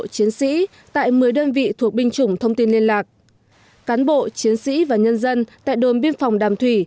chiến sĩ tại một mươi đơn vị thuộc binh chủng thông tin liên lạc cán bộ chiến sĩ và nhân dân tại đồn biên phòng đàm thủy